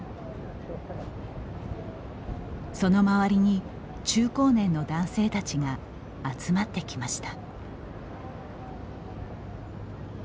その周りに中高年の男性たちが集まってきました。